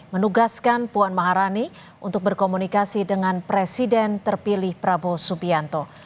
menugaskan puan maharani untuk berkomunikasi dengan presiden terpilih prabowo subianto